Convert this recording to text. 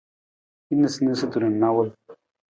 Hin niisaniisatu na nawul.